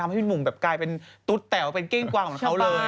ทำให้พี่มุมแบบกลายเป็นตุ๊ดแต่วเป็นเก้งกวาของเขาเลย